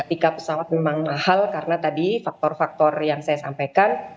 ketika pesawat memang mahal karena tadi faktor faktor yang saya sampaikan